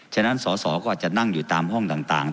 ฉะนั้นสอสอก็อาจจะนั่งอยู่ตามห้องต่าง